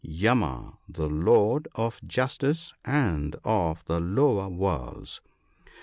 Yama, the lord of justice and of the lower worlds.